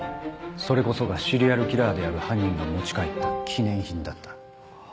それこそがシリアルキラーである犯人が持ち帰った記念品だった。